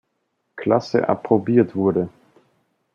Klasse approbiert wurde.